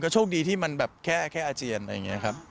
โชคดีที่มันแบบแค่อาเจียนอะไรอย่างนี้ครับ